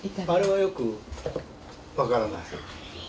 あれはよく分からない